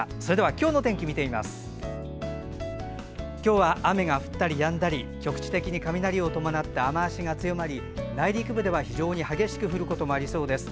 今日は雨が降ったりやんだり局地的に雷を伴って雨足が強まり内陸部では非常に激しく降ることもありそうです。